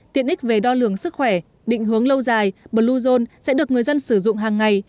tiện ích về đo lường sức khỏe định hướng lâu dài bluezone sẽ được người dân sử dụng hàng ngày